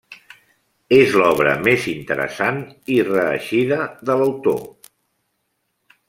És l'obra més interessant i reeixida de l'autor.